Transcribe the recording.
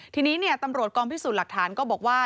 ทีนี้ตำรวจกองพิสูจน์หลักฐานก็บอกว่า